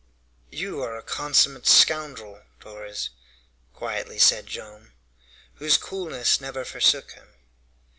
"You are a consummate scoundrel, Torres," quietly said Joam, whose coolness never forsook him.